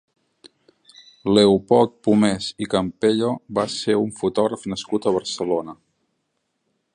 Leopold Pomés i Campello va ser un fotògraf nascut a Barcelona.